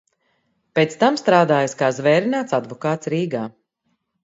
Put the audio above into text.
Pēc tam strādājis kā zvērināts advokāts Rīgā.